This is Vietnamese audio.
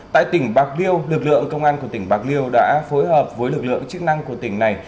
tại tỉnh bạc liêu lực lượng công an của tỉnh bạc liêu đã phối hợp với lực lượng chức năng của tỉnh này